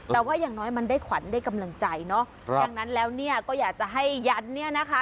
แต่ว่าอย่างน้อยมันได้ขวัญได้กำลังใจเนาะดังนั้นแล้วเนี่ยก็อยากจะให้ยันเนี่ยนะคะ